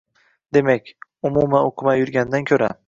Demak, umuman o‘qimay yurgandan ko‘ra